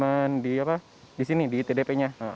saya minjaman di itdp nya